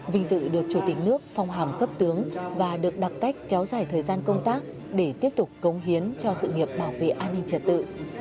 vinh dự được chủ tịch nước phong hàm cấp tướng và được đặt cách kéo dài thời gian công tác để tiếp tục cống hiến cho sự nghiệp bảo vệ an ninh trật tự